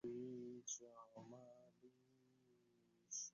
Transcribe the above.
তুমি জান, আমার এই দেশকে বলা হয় জলের দেশ।